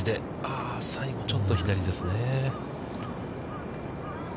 ああ、最後ちょっと左ですね。